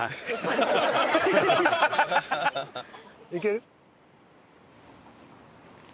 いける？